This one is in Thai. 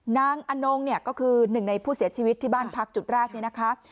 นางอนงเนี่ยก็คือหนึ่งในผู้เสียชีวิตที่บ้านพักจุดแรกนี่นะคะ